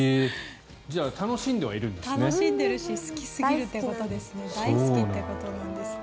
じゃあ楽しんではいるんですね。